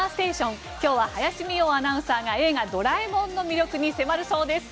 今日は林美桜アナウンサーが「映画ドラえもん」の魅力に迫るそうです。